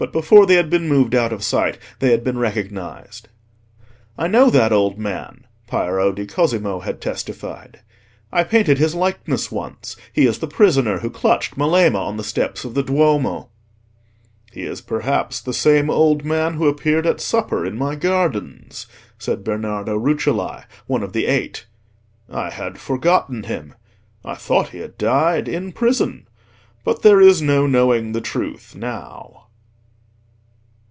But before they had been moved out of sight, they had been recognised. "I know that old man," Piero di Cosimo had testified. "I painted his likeness once. He is the prisoner who clutched Melema on the steps of the Duomo." "He is perhaps the same old man who appeared at supper in my gardens," said Bernardo Rucellai, one of the Eight. "I had forgotten him. I thought he had died in prison. But there is no knowing the truth now."